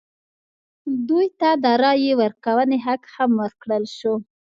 دوی ته د رایې ورکونې حق هم ورکړل شو.